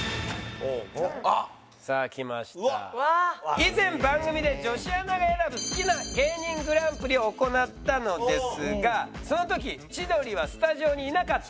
以前番組で女子アナが選ぶ好きな芸人グランプリを行ったのですがその時千鳥はスタジオにいなかった。